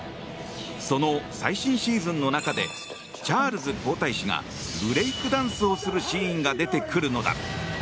その最新シーズンの中でチャールズ皇太子がブレイクダンスをするシーンが出てくるのだ。